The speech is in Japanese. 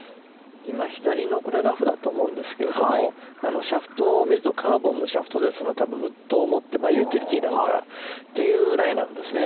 左のラフだと思うんですけどもシャフトを見るとカーボンのシャフトですのでウッドを持ってユーティリティーなのかなというライなんですね。